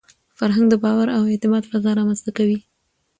فرهنګ د باور او اعتماد فضا رامنځته کوي.